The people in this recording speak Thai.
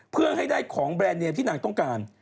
เพื่อให้ได้ของแบรนดเนียมที่นางต้องการ